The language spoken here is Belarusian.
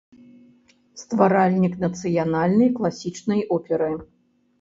Стваральнік нацыянальнай класічнай оперы.